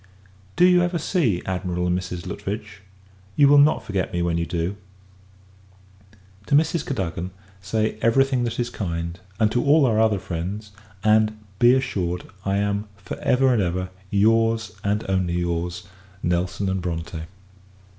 Do you ever see Admiral and Mrs. Lutwidge? You will not forget me when you do. To Mrs. Cadogan, say every thing that is kind; and to all our other friends: and, be assured, I am, for ever and ever, your's, and only your's, NELSON & BRONTE.